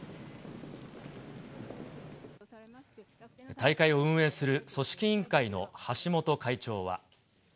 大会を運営する組織委員会の橋本会長は。